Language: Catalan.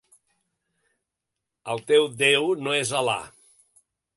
El teu déu no és Alà.